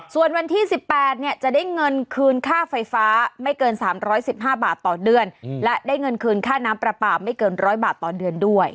ส่วนวันที่๑๘จะได้เงินคืนค่าไฟฟ้าไม่เกิน๓๑๕บาทต่อเดือนและได้เงินคืนค่าน้ำปลาปลาไม่เกิน๑๐๐บาทต่อเดือนด้วย